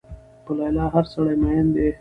په لیلا هر سړی مين دی